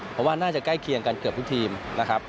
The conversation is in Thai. เพราะว่าน่าจะใกล้เคียงกันเกือบทุกทีมนะครับ